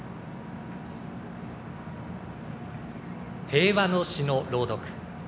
平和の詩の朗読。